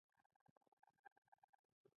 د کړنو پایله تل د نیت پایله څرګندوي.